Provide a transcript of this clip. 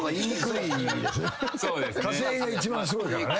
火星が一番すごいからね。